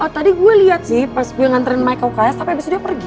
oh tadi gue liat sih pas gue nganterin mike ke uks tapi abis itu dia pergi